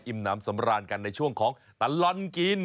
น้ำสำราญกันในช่วงของตลอดกิน